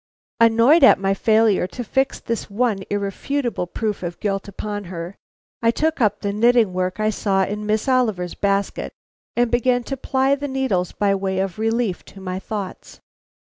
Annoyed at my failure to fix this one irrefutable proof of guilt upon her, I took up the knitting work I saw in Miss Oliver's basket, and began to ply the needles by way of relief to my thoughts.